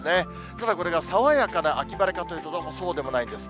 ただこれが爽やかな秋晴れかというと、どうもそうでもないんです。